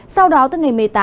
sau đó từ ngày một mươi tám